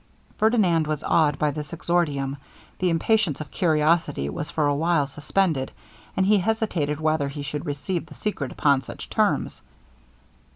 Ferdinand was awed by this exordium the impatience of curiosity was for a while suspended, and he hesitated whether he should receive the secret upon such terms.